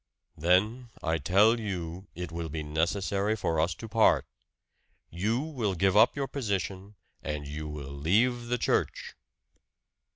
"Then I tell you it will be necessary for us to part. You will give up your position, and you will leave the church."